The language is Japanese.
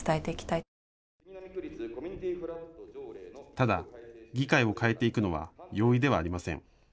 ただ、議会を変えていくのは容易ではありません。